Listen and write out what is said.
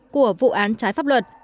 của vụ án trái pháp luật